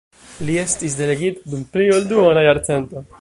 Li estis delegito dum pli ol duona jarcento.